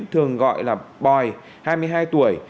thường gọi là boy hai mươi hai tuổi